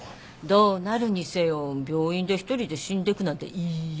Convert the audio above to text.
どうなるにせよ病院で一人で死んでくなんて嫌。